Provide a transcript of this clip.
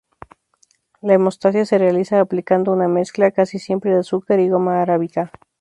La hemostasia se realiza aplicando una mezcla, casi siempre de azúcar y goma arábiga.